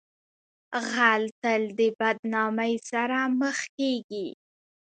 غل تل د بدنامۍ سره مخ کیږي